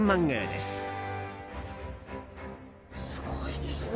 すごいですね。